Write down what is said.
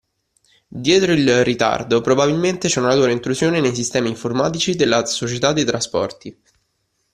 Dietro il ritardo probabilmente c'è una loro intrusione nei sistemi informatici della società dei trasporti.